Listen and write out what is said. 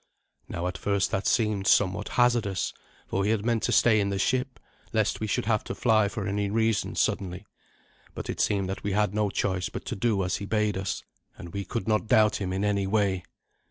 Now at first that seemed somewhat hazardous, for we had meant to stay in the ship, lest we should have to fly for any reason suddenly. But it seemed that we had no choice but to do as he bade us, and we could not doubt him in any way.